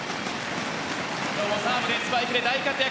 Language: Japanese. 今日もサーブでスパイクで大活躍